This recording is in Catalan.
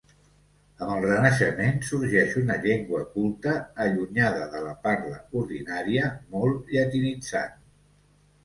Amb el Renaixement sorgeix una llengua culta, allunyada de la parla ordinària, molt llatinitzant.